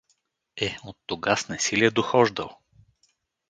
— Е, оттогаз не си ли е дохождал?